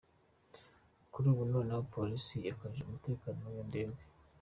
Kuri ubu noneho police yakajije umutekano w’iyo ndembe!